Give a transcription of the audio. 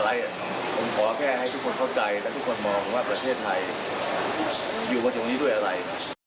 และทุกคนมองว่าประเทศไทยอยู่กับตรงนี้ด้วยอะไร